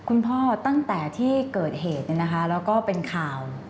ตั้งแต่ที่เกิดเหตุแล้วก็เป็นข่าว